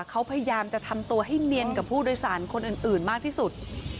เขาพยายามจะทำตัวให้เนียนกับผู้โดยสารคนอื่นมากที่สุด